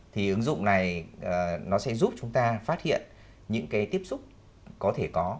thì ứng dụng này nó sẽ giúp chúng ta phát hiện những cái tiếp xúc có thể có